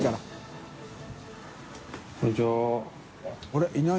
あれ？